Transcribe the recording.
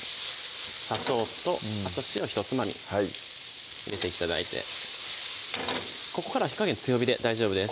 砂糖とあと塩ひとつまみ入れて頂いてここから火加減強火で大丈夫です